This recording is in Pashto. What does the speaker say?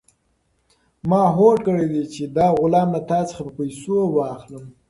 ما هوډ کړی دی چې دا غلام له تا څخه په پیسو واخلم.